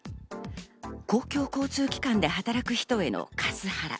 公共交通機関で働く人へのカスハラ。